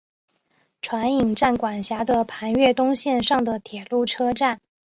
船引站管辖的磐越东线上的铁路车站。